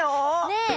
ねえ。